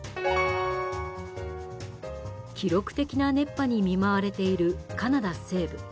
記録的な熱波に見舞われているカナダ西部。